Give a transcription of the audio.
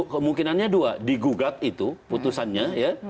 kemungkinannya dua digugat itu putusannya ya